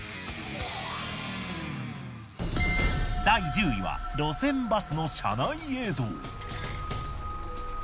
第１０位は路線バスの車内映像。